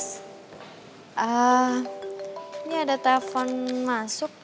ini ada telepon masuk